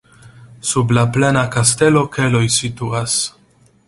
Sub la plena kastelo keloj situas.